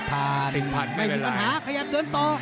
ไม่มีปัญหาขยับเดินต่อ